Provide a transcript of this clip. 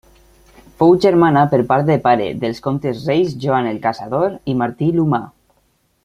Fou germana, per part de pare, dels comtes-reis Joan el Caçador i Martí l'Humà.